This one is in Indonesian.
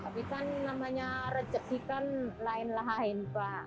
tapi kan namanya rezeki kan lain lain pak